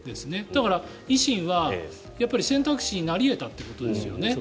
だから維新は選択肢になり得たということですよね。